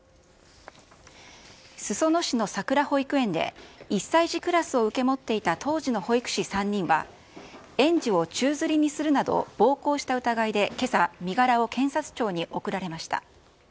裾野市のさくら保育園で、１歳児クラスを受け持っていた当時の保育士３人は、園児を宙づりにするなど暴行した疑いで、けさ、身柄を検察庁に送られました。